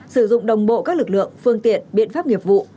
sử dụng đồng bộ các lực lượng phương tiện biện pháp nghiệp vụ